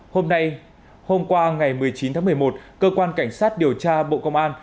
hôm nay hôm qua ngày một mươi chín tháng một mươi một cơ quan cảnh sát điều tra bộ công an